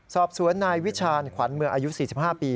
สอบสวนนายวิชาณขวัญเมืองอายุ๔๕ปี